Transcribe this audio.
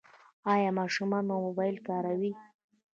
ایا ماشومان مو موبایل کاروي؟